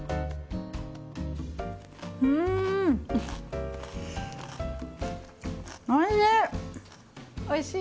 うんおいしい！